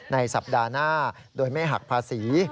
ในสัปดาห์หน้าโดยไม่หักภาษี